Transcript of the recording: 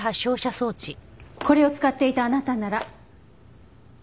これを使っていたあなたなら。